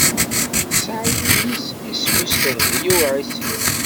Tesɛa yelli-s isem-nnes Dehbiya u Ɛisiw.